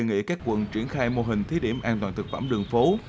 đường phố đã đề nghị các quận triển khai mô hình thí điểm an toàn thực phẩm đường phố